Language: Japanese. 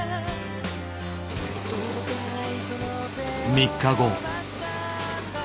３日後。